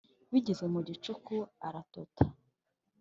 bigeze mu gicuku aratota